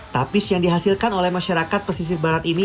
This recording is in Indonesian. tapis yang dihasilkan oleh masyarakat pesisir barat ini